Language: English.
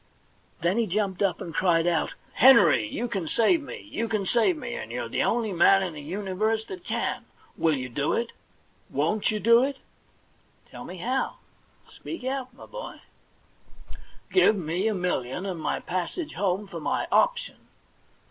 Then he jumped up and cried out :* Henry, you can save me ! You can save me, and you're the only man in the universe that can. Will you do it ? Won't you do it ?'* Tell me how. Speak out, my boy.' 32 THE £1,000,000 BANK NOTE * Give me a million and my passage home for my * option